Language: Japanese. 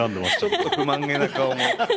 ちょっと不満げな顔も。